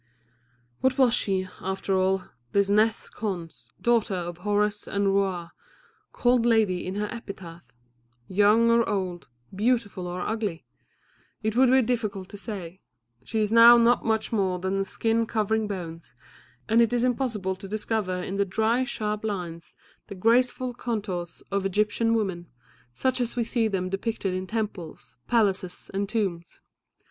What was she, after all, this Nes Khons, daughter of Horus and Rouaa, called Lady in her epitaph? Young or old, beautiful or ugly? It would be difficult to say. She is now not much more than a skin covering bones, and it is impossible to discover in the dry, sharp lines the graceful contours of Egyptian women, such as we see them depicted in temples, palaces, and tombs.